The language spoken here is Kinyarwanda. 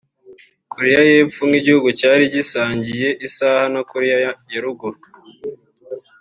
Koreya y’Epfo nk’igihugu cyari gisangiye isaha na Koreya ya Ruguru